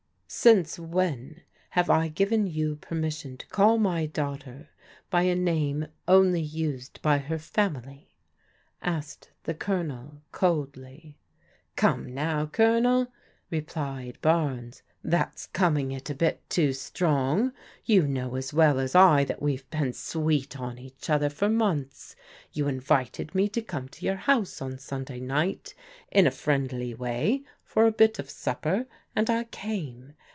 " Since when have I given you permission to call my daughter by a name only used by her family? " asked th« Colonel coldly. Come now. Colonel," replied Barnes^ that's coming a Ht too strong. You know as wdl as I diat weNre AEMY AND NAVY CLUB INTEEVIBW 97 been sweet on each other for months. You invited me to come to your house on Sunday night in a friendly way for a bit of supper, and I came.